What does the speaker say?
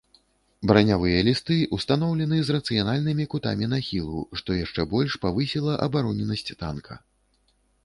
Бранявыя лісты ўстаноўлены з рацыянальнымі кутамі нахілу, што яшчэ больш павысіла абароненасць танка.